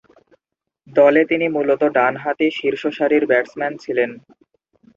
দলে তিনি মূলতঃ ডানহাতি শীর্ষসারির ব্যাটসম্যান ছিলেন।